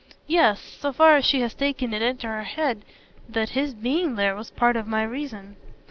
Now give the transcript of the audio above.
"Yes so far as she had taken it into her head that his being there was part of my reason."